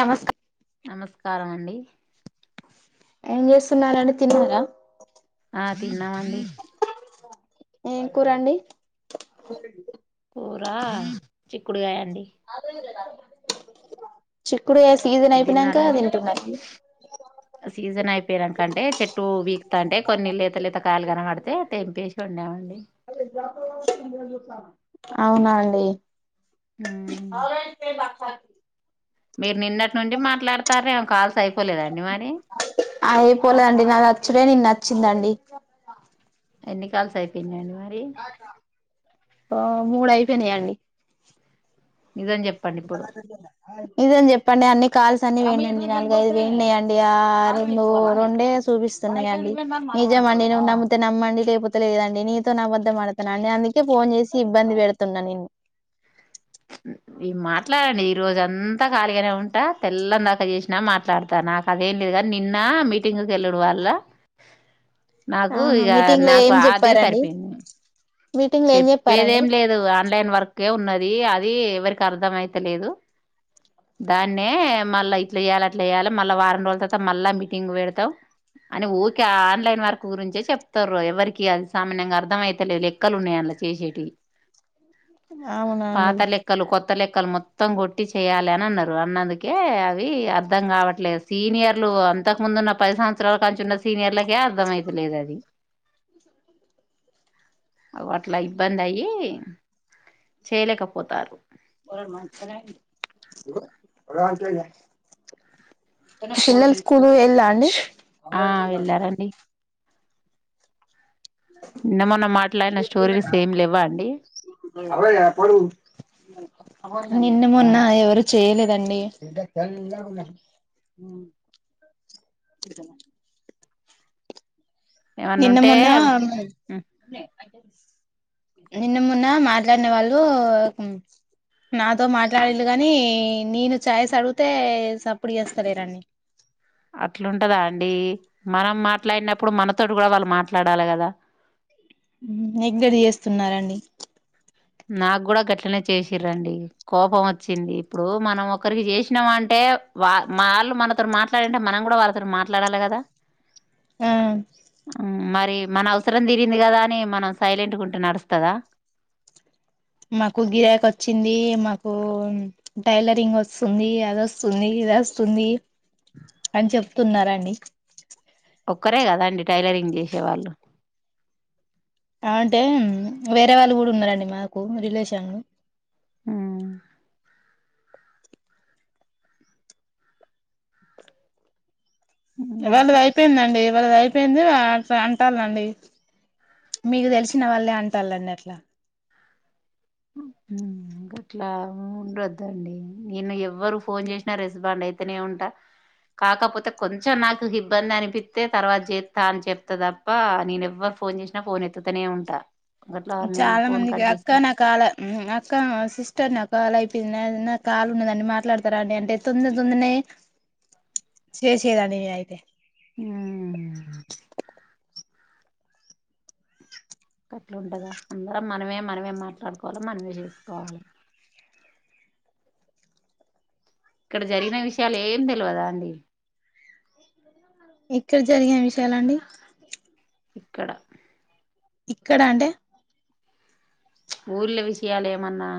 నమస్క నమస్కారం అండి ఏం చేస్తున్నారండి తిన్నారా ఆ తిన్నామండి ఏం కూర అండి కూరా చిక్కుడుగాయా అదే గదా ఇప్పుడు ఏ సీజన్ మీరు అయిపోనాక తిన్నారండి తింటున్నారు చెప్పనాకంటే చెట్టు వీకుతాంటే అంటే కొన్ని లేత లేత కాయలు కనపడితే తెంపేసి ఉండామండి అ జ అవునా అండి మ్ మీరు నిన్నటి నుండి మాట్లాడతారేమో కాల్ అయ్ పోలేదండి నాది వచ్చుడే నిన్న వచ్చిందండి ఎన్ని కాల్స్ అయిపోయినాయ్ అండి మరి ఆ మూడు అయిపోయినాయండి నిజం చెప్పండి ఇప్పుడు నిజం చెప్పండి అన్ని కాల్స్ అన్ని వేండి నాలుగఐదు వేయండి ఆ రు రెండే చూపిస్త న్నయండి నిజంమండి నువ్వు నమ్ముతే నమ్మండి లేకపోతే లేదండి నీతో నాబద్దం అడతా అండి అందుకే ఫోన్ చేసి ఇబ్బంది పెడుతున్నా నిను మీరు మాట్లాడండి ఈ రోజ అంతా కాలిగానే ఉంటా తెల్లందాకా చేసినా మాట్లాడతారు నాకు అదేం నిన్న మీటింగ్కు వెలిడం వల్ల నాకు ఆహా ఇగ మీటింగ్ లో నాకు ఏం అదే చెప్పారండి సరిపోయింది మీటింగ్ లో ఏం చెప్పారండి చెప్పేదేం లేదు ఆన్లైన్ వర్కే ఉన్నది అది అది ఎవరికి అర్థం అయితలేదు దాన్నే మళ్ళా ఇట్లా చేయ్యాలి అట్లా చేయాలి మళ్ళా వారం రోజుల తవా మళ్ళా మీటింగ్ పెడతాం అని ఊకె ఆన్లైన్ వర్క్ గురించే చెప్తురు ఎవరికి అది సామాన్యంగా అర్థమయితలేదు పక్కలు ఉన్నాయ్ అంలా చేసేటివి అవునా అండి త్త లెక్కలు మొత్తం కొట్టి చేయాలి అని అన్నారు అన్నందుకే అవి అర్థం కావట్లేదు సీనియర్లు అంతకు ముందున్న పది సంవత్సరలు కానుంచి ఉన్న సీనియర్లకే అర్థం అయితలేదు అది ఆ అవు అట్లా ఇబ్బంది అయి చేయలేకపోతారు ఆ మన పిల్లల స్కూల్ వెళ్ళా అండి ఆ వెళ్ళారండి నిన్నమొన్నా మాట్లాడిన స్టోరీస్ ఏం లేవా అండి నిన్న మొన్న ఎవరు చేయలేదండి ఉమ్ ఏమన్నా నిన్న ఉంటే మొన్న అవి హ్మ్ నిన్న మన్న మాట్లాడిన వాళ్ళు ఉ నాతో మాట్లాడింరు గాని నేను ఛాయస్ అడిగితే సప్పుడ చేస్తలే రండి అట్లుంటదా అండి మనం మాట్లాడినప్పుడు మనతోటి కూడా వాళ్ళు మాట్లాడాలె కదా ఎగ్గర చేస్తున్నారండి నాకు కూడా గట్లనే చేసిరండి కోపం వచ్చింది ఇప్పుడు మనం ఒకరికి చేసినాం అంటే వా వాళ్ళు మనతోటి మాట్లాడింటే మనం కూడా వాళ్ళతో మాట్లాడాలే కదా అ ఆ మరి మరి మన అవసరం తీరింది కదా అని మనం సైలెంట్గా ఉంటే నడుస్తదా మాకు గిరాక్ వచ్చింది మాకు టైలరింగ్ వస్తుంది అది వస్తుంది ఇది వస్తుంది అని చెప్తున్నారండి ఒక్కరే కదా అండి టైలరింగ్ చేసేవాళ్ళు అ అంటే వేరే వాళ్ళు కూడా ఉన్నారండి మాకు రిలేషన్లు హు హ్మ్ వాళ్ళది అయిపోయిందండి వాళ్ళది అయిపోయింది అంటాలండి మీకు తెలిసిన వాళ్ళే అంటళండి అట్లా గట్ల ఉండొద్దండి నేను ఎవరు ఫోన్ చేసినా రెస్పాండ్ అయితేనే ఉంటా కాకపోతే కొంచెం నాకు ఇబ్బంది అనిపిస్తే తర్వాత చేస్తా అని చెప్తదప్ప నేను ఎవ్వరు ఫోన్ చేసినా ఫోన్ ఎత్తుతనే ఉంటా గట్లా నేను చాలా ఫోన్ మందికి కట్ చేసిన అక్క నా కాల ఊ అక్క సిస్టర్ నా కాలు అయిపోయిందిద నా కాలు ఉన్నదని మాట్లాడతరండి అంటే తొంద తొందనే చేసెదండి నేనైతే ఊ గట్లవుంటద అందరం మనమే మనమే మాట్లాడుకోవాలి మనమే చేసుకోవాలి. ఇక్కడ జరిగిన విషయాలు ఏం తెలవదా అండి ఇక్కడ జరిగిన విషయాలండి ఇక్కడ ఇక్కడ అంటే ఊర్ల విషయాలు ఏమన్నా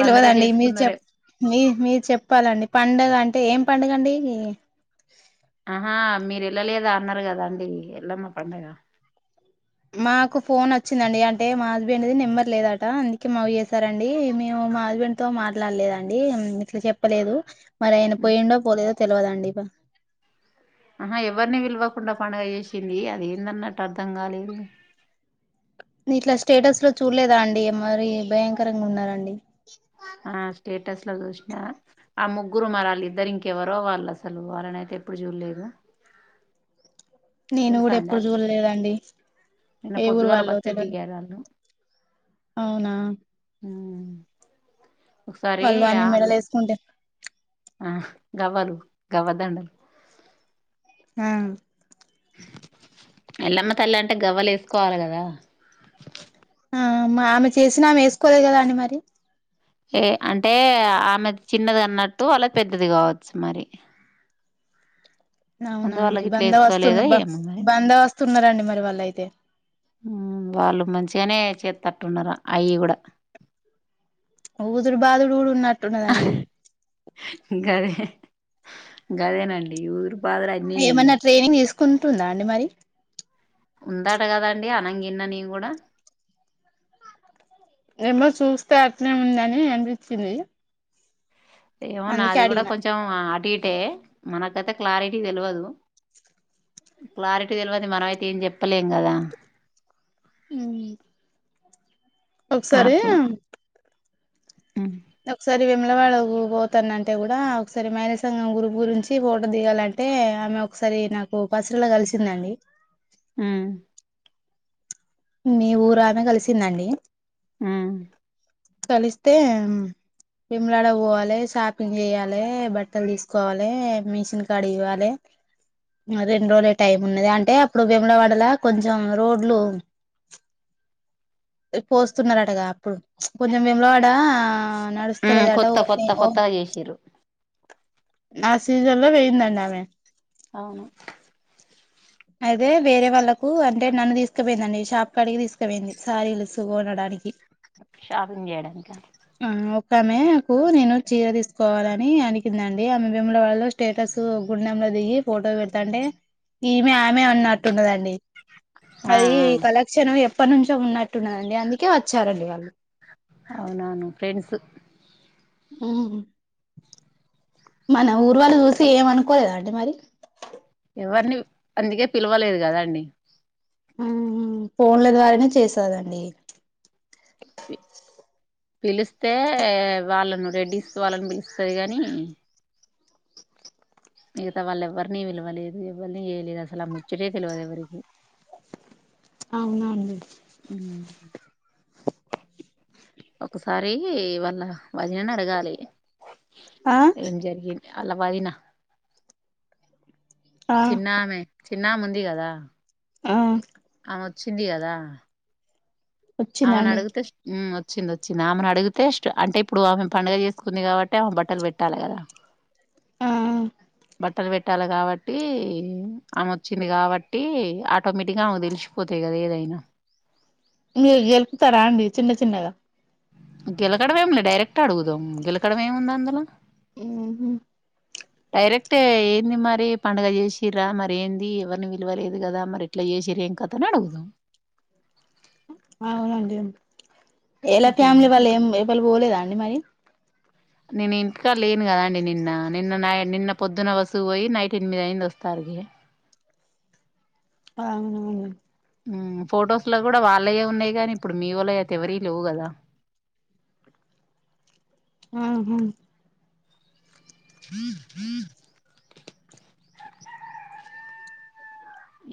పండగ మీరు చేసుకున్నారే చెప్ప మీ మీరు చెప్పాలండి పండగ అంటే అంటే ఏం పడుగండి ఆహా మీరు వెళ్ళలేదా అన్నారు కదా అండి ఎల్లమ్మ పండగ మాకు ఫోన్ వచ్చిందండి అంటే మా హస్బెండ్ది నెంబర్ లేదట అందుకే మాకు చేసారండి మేము మా హస్బెండ్ తో మాట్లాడలేదండి ఇట్ల చెప్పలేదు మరి ఆయన పోయిండో పోలేదో తెలియదండి ఇగ ఆహా ఎవరిని పిలువకుండా పండుగ చేసింది అది ఏందన్నట్టు అర్ధం కాలేదు ఇట్లా స్టేటస్ లో చూడలేదా అండి మరి భయంకరంగా ఉన్నారండి ఆ స్టేటస్ లో చూసినా ఆ ముగ్గురు మరలీద్దరు ఇంకెవరో వాళ్ళు అసలు వాళ్ళనైతే ఎప్పుడు చూడలేదు నేను తెలుసా కూడా అండి ఎప్పుడు వాళ్ళు చూడలేదండి నిన్న ఏ ఊరు పొద్దుగాల వాళ్లో బస్సే తెలవదు దిగారు వాళ్ళు అవునా ఉ ఒకసారి వాళ్ళు అన్ని ఆళ్ళ మెడలు వేసుకుంటే ఆ గవ్వలు గవ్వదండలు హుమ్ ఎల్లమ్మ తల్లి అంటే గవ్వలు వేసుకోవాలి కదా ఆ ఆమె చేసినా ఆమె వేసుకోలేదు కదా అండి మరి ఏ అంటే ఆమె చిన్నది అన్నట్టు వాళ్లది పెద్దది కావచ్చు మరి అవునా అందువల్ల అండి గిట్లా బందబస్తు వేసుకోలేదో బ ఏమో మరి బందబస్తు ఉన్నారండి మరి వాళ్లు అయితే హు వాళ్ళు మంచిగనే చేత్తట్టున్నారు అయి కూడా ఊదుడు బాదుడు కూడా ఉన్నట్టున్నదండి గదే గదేనండి ఊదుడు ఏమన్నా ట్రైనింగ్ తీసుకుంటుందా అండి మరి ఉందాట కదాండి అనంగిన్న నేను కూడా ఏమో చూస్తే అట్లే ఉందని అనిపించింది. ఏమో అందుకే నాది కూడా అడిగిన కొంచెం అటు ఇటే మనకైతే క్లారిటీ తెలవదు క్లారిటీ తెలవంది మనమైతే ఏం చెప్పలేం కదా ఉ ఒకసారి అట్లా ఉమ్ ఒకసారి వేములవాడ పోతానంటే కూడా ఒకసారి మహిళ సంఘం గ్రూప్ గురించి ఫోటో దిగాలంటే ఆమె ఒకసారి నాకు బస్సుల కలిసిందండి మ్మ్ మీ ఊరు ఆమె కలిసిందండి మ్మ్ కలిస్తే మ్మ్ వేములడకి పోవాలే షాపింగ్ చెయ్యాలే బట్టలు తీసుకోవాలే మిషిన్ కాడ ఇవ్వాలే ఆ రెండు రోజులే టైం ఉన్నది అంటే అప్పుడు వేములవాడల కొంచెం రోడ్లు పోస్తున్నారు అటగా అప్పుడు కొంచెం వేములవా డా ఉమ్, నడుస్తలేదట కొత్త కొత్త ఓపెన్ ఓ కొత్తగా చేసిర్రు ఆ సీజన్లో పోయిందండి ఆమె అవునా అయితే వేరే వాళ్ళలకు అంటే నన్ను తీసుకుపోయిందండి షాప్ కాడికి తీసుకపోయింది సారీలుస్ కొనడానికి షాపింగ్ చేయడానికా ఆ ఒక ఆమెకు నేను చీర తీసుకోవాలని అడిగిందండి ఆమె వేములవాడలో స్టేటస్ గుండంలో దిగి ఫోటో పెడతాంటే ఈమె ఆమె అన్నట్టున్నదండి ఆ అది ఈ కలక్షను ఎప్పట్నుంచో ఉన్న టున్నదండి అందుకే వచ్చారండి వాళ్ళు అవునవును ఫ్రెండ్స్ మ్మ్ మన ఊరు వాళ్ళు చూసి ఏం అనుకోలేదండి మరి ఎవర్ని అందుకే పిలవలేదు కదా అండి మ్మ్ హ్మ్ ఫోన్ల ద్వారానే చేసాదండి పి పిలిస్తే వాళ్ళను రెడ్డీస్ వాళ్ళని పిలుస్తది గని మిగతా వాళ్ళ ఎవ్వరినీ పిలవలేదు ఎవరిని చేయలేదు అసలు ఆ ముచ్చటే తెల్వదు ఎవరికి [inaudible] అవునా అండి మ్మ్ ఒకసారి వాళ్ళ వదినని అడగాలి ఆ ఏం జరిగింది ఆళ్ల వదిన ఆ చిన్నామే చిన్నామే ఉంది కదా ఆ వచ్చిందికదా వచ్చిందండి ఆమెనడుగుతే మ్మ్ మొ వచ్చింది వచ్చింది ఆమెను అడిగితే అంటే ఇప్పుడు ఆమె పండుగ చేసుకుంది కాబట్టి ఆమె బట్టలు పెట్టాల కదా [inaudible] ఆ బట్టలు పెట్టాల కాబట్టి ఆమె వచ్చింది కాబట్టి ఆటోమేటిక్గా ఆమెకు తెలిసిపోతయ్ కదా ఏదైనా మీరు గెలుపుతారా అండి చిన్న చిన్నగా గేలకడం ఏంలే డైరెక్ట్ అడుగుదాం గేలకడం ఏముంది అందుల మ్మ్ హుమ్మ్ డైరెక్ట్ ఏంది మరి పండగ చేసిరా మరి ఏంది ఎవరిని విలువలేదు కదా మరి ఎట్లా చేసిర్రు ఏం కథను అడుగుదాం అవునండి ఎలా అంతే ఫ్యామిలీ వాళ్ళు ఏం ఎవళ్లు పోలేదా అండి మరి నేను ఇంటికాడ లేను కదాండి నిన్న నిన్న నై నిన్న పొద్దున బస్సుకిపోయి నైట్ ఎనిమిది అయింది వస్తా [unintelligible] అవునవును హ్మ్ ఫొటోస్లో కూడా వాళ్ళయ్యే ఉన్నాయి కానీ ఇప్పుడు మీ వోళ్లయి అయితే ఎవరియి లేవు కదా మ్మ్ హ్మ్ హ హ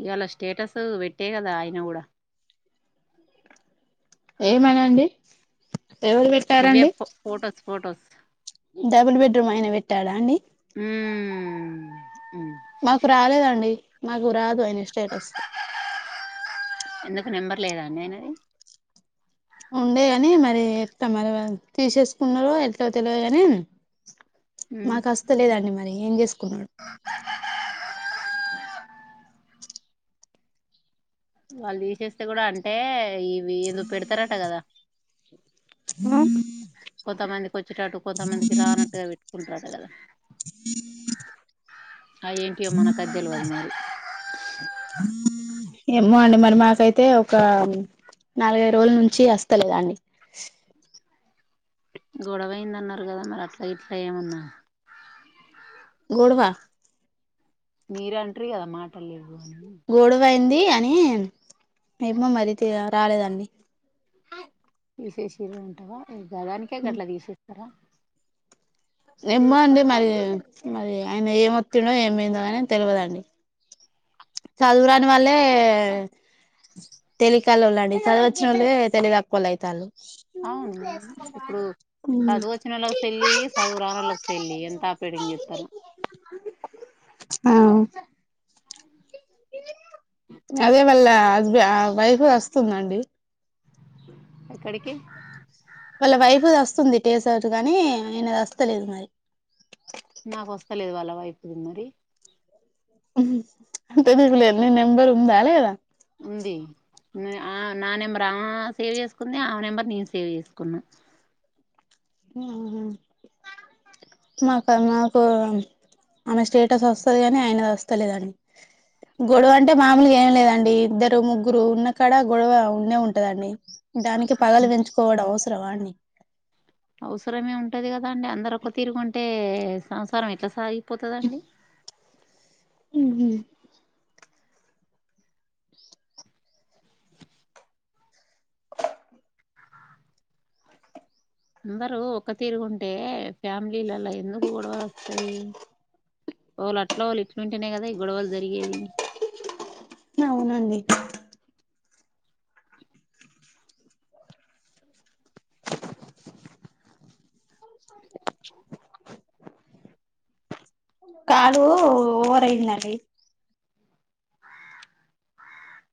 ఇయాళ స్టేటస్ పెట్టే కదా ఆయన కూడా ఏమనండి ఎవరు ఇవే పెట్టారండి ఫో ఫొటోస్ ఫొటోస్ డబల్ బెడ్రూమ్ ఆయన పెట్టాడా అండి ఉ మ్ మాకు రాలేదండి మాకు రాదు ఆయన స్టేటస్ ఎందుకు నెంబర్ లేదా అండి ఆయినది ఉండే గని మరి ఎట్లా మరి తీసేసుకున్నారో ఎట్లొ తెలువదు కాని మ్మ్ మాకుస్త లేదండి మరి ఏం చేసుకున్నాడు వాళ్ళు తీసేస్తే కూడా అంటే ఇవి ఏదో పెడతారట కదా కొంతమందికి వచ్చేటటు కొంతమందికి రానట్టుగా పెట్టుకుంటాడు అ ఏంటియో మన కద్దెలువది మరి ఏమో అండి మరి మాకైతే ఒక నాలుగై రోజుల నుంచి అస్తలేదండి గొడవైందన్నారు కదా మరి అట్లా ఇట్లా ఏమన్నా గొడవా మీరే అంట్రి కదా మాటలు లేవు అని గోడువయ్ యింది అని ఏమో మరి రాలేదండి తీసేసిర్రు అంటావా గదానికే గట్లా తీసేస్తారా ఎమ్మో అండి మరి మరి ఆయన ఏమోతిండో ఏమైందో అని తెలువదండి సదువురాని వాళ్ళే తెలికల వాళ్ళండి చదువచ్చిన వాళ్ళే తెలివిగక్కోళ్ళ అయితారు అవును ఇప్పుడు చదువు వచ్చిన వాళ్ళకి పెళ్ళి చదువు రానోళ్ళకి పెళ్ళి ఎంత పెడింగ్ చేతన అ అదే వల్ల హస్బా ఆ వైఫ్ వస్తుందండి ఎక్కడికి వాళ్ళ వైఫుది వస్తుంది టేసర్ కానీ ఆయనది వస్తలేదు మరి నాకోస్తలేదు వల్ల వైఫుది మరి అంటే దీకులో నీ నెంబర్ ఉందా లేదా ఉంది ఆ నా నెంబర్ ఆమె సేవ్ చేసుకుంది ఆమె నెంబర్ నేను సేవ్ చేసుకున్నా ఉమ్ హు ఆ మాకా మాకు ఆమె స్టేటస్ వస్తది కాని ఆయనది వస్తలేదన్ గొడవ అంటే మామూలుగా ఏం లేదండి ఇద్దరు ముగ్గురు ఉన్న కాడ గొడవ ఉండే ఉంటదండి దానికి పగలు పెంచుకోవడం అవసరమా అండి అవసరమే ఉంటది కదా అండి అందరు ఒక తిరుగుంటే సంసారం ఎట్లా సాగిపోతదండి ఉమ్ హు అందరూ ఒక్క తిరుగుంటే ఫ్యామిలీలలా ఎందుకు గొడవలు వస్తాయి ఒకళ్ళు అట్లా ఒకళ్ళు ఇట్లా ఉంటేనే గా కదా ఈ గొడవలు జరిగేవి అవునండి కాలు ఓవర్ అయిందండి